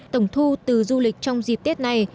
tổng thu từ du lịch trong dịp tết này